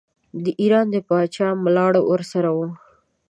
د ایران د پاچا ملاړ ورسره وو.